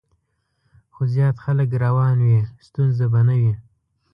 خو زیات خلک روان وي، ستونزه به نه وي.